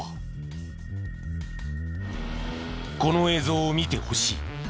この映像を見てほしい。